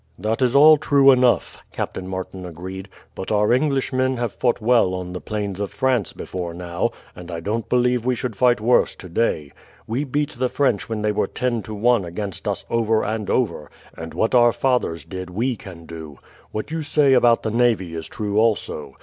"That is all true enough," Captain Martin agreed; "but our English men have fought well on the plains of France before now, and I don't believe we should fight worse today. We beat the French when they were ten to one against us over and over, and what our fathers did we can do. What you say about the navy is true also.